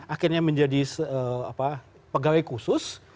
akhirnya menjadi pegawai khusus